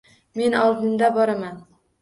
Men oldinda boraman